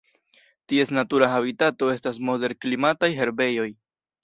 Ties natura habitato estas moderklimataj herbejoj.